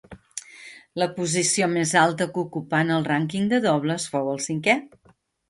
La posició més alta que ocupà en el rànquing de dobles fou el cinquè.